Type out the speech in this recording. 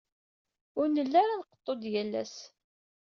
Ur nelli ara nqeḍḍu-d yal ass.